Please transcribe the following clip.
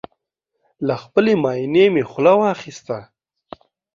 له خپلې ماينې مې خوله واخيسته